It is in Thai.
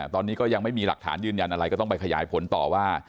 ตอนนี้ก็ยังไม่มีหลักฐานยืนยันอะไรก็ต้องไปขยายผลต่อว่า